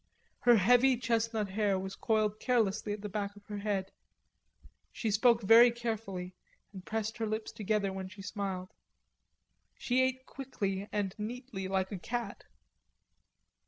Her heavy chestnut hair was coiled carelessly at the back of her head. She spoke very quietly, and pressed her lips together when she smiled. She ate quickly and neatly, like a cat.